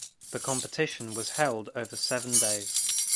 The competition was held over seven days.